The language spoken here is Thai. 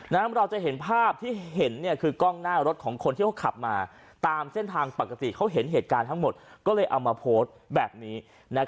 เราจะเห็นภาพที่เห็นคือกล้องหน้ารถของคนที่เขาขับมาตามเส้นทางปกติเขาเห็นเหตุการณ์ทั้งหมดก็เลยเอามาโพสต์แบบนี้